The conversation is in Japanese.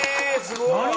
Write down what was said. すごい！